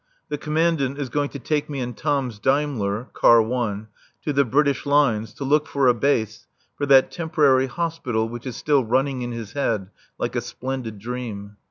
The Commandant is going to take me in Tom's Daimler (Car 1) to the British lines to look for a base for that temporary hospital which is still running in his head like a splendid dream.